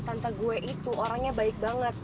tante gue itu orangnya baik banget